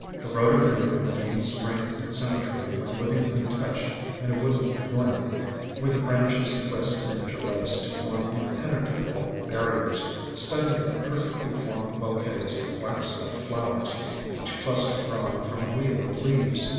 The Rhododendron gains strength and symmetry when living untouched in a wooded glen where the branches twist and interlace to form impenetrable barriers, studded with perfectly formed bouquets of wax like flowers, each cluster growing from a wheel of leaves.